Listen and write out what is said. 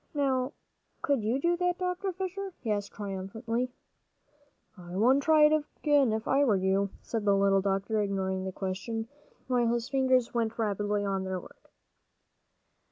Now could you do that, Dr. Fisher?" he asked triumphantly. "I wouldn't try it again, if I were you," said the little doctor, ignoring the question, while his fingers went rapidly on their work.